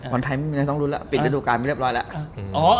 บอลไทยไม่ต้องรุ้นแล้วปิดระดูกการพรุ่งเรียบร้อยแล้ว